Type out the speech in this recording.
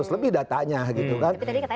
lima ratus lebih datanya gitu kan